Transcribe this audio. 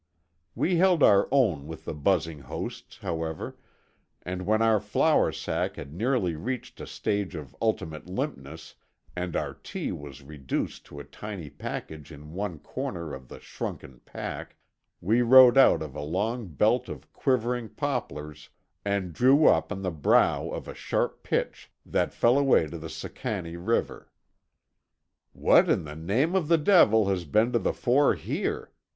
We held our own with the buzzing hosts, however, and when our flour sack had nearly reached a stage of ultimate limpness, and our tea was reduced to a tiny package in one corner of the shrunken pack, we rode out of a long belt of quivering poplars and drew up on the brow of a sharp pitch that fell away to the Sicannie River. "What in the name of the devil has been to the fore here?"